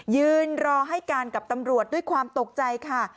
ยืนรอให้การกับตำรวจด้วยความตกใจค่ะ